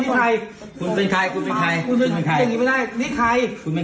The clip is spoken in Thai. ใครคุณเป็นใครคุณเป็นใครอย่างงี้ไม่ได้นี่ใครคุณเป็น